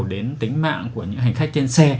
đến tính mạng của những hành khách trên xe